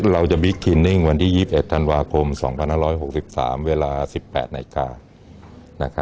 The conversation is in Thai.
เราจะวิกคี่นิ่งวันที่๒๑ธันวาคม๒๑๖๓เวลา๑๘๐๐น